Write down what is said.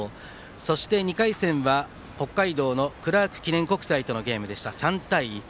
そして２回戦は北海道のクラーク記念国際とのゲームで３対１。